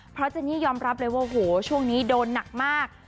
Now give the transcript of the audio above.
เพราะเจนี่ยอมรับเลยว่าโหช่วงนี้โดนหนักมาก